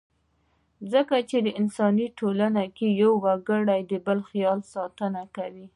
ځکه چې انساني ټولنه کې يو وګړی د بل خیال ساتنه کوي.